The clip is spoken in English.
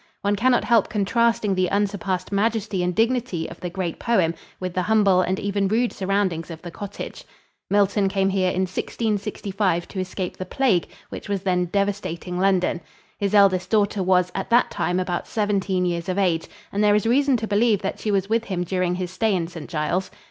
One can not help contrasting the unsurpassed majesty and dignity of the great poem with the humble and even rude surroundings of the cottage. Milton came here in 1665 to escape the plague which was then devastating London. His eldest daughter was at that time about seventeen years of age, and there is reason to believe that she was with him during his stay in St. Giles.